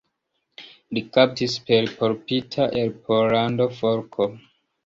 Li kaptis per portita el Pollando forko.